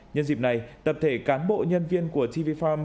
nhân dịp này tập thể cán bộ nhân viên của tv farm